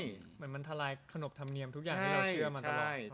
เหมือนมันทลายขนบธรรมเนียมทุกอย่างที่เราเชื่อมาตลอด